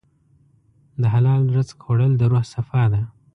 د حلال رزق خوړل د روح صفا ده.